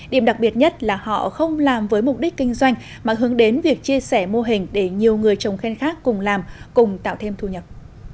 điểm đặc biệt nhất là họ không làm với mục đích kinh doanh mà hướng đến việc chia sẻ mô hình để nhiều người trồng sen khác cùng làm cùng tạo thêm thu nhập